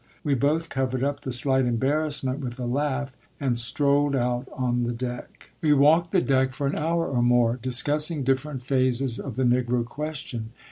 We both covered up the slight embarrassment with a laugh and strolled out on the deck. We walked the deck for an hour or more, discussing different phases of the Negro question.